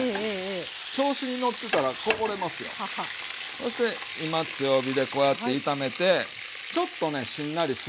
そして今強火でこうやって炒めてちょっとねしんなりするぐらいですわ。